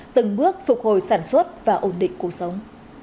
từng bước phục hồi sản xuất và ổn định cuộc sống